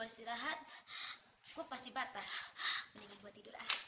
udah paljon kali